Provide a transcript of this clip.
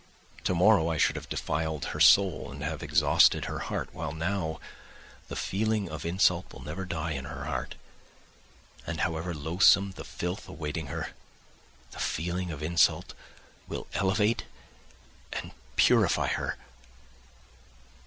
Tomorrow I should have defiled her soul and have exhausted her heart, while now the feeling of insult will never die in her heart, and however loathsome the filth awaiting her—the feeling of insult will elevate and purify her